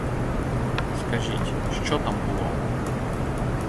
Скажіть, що там було?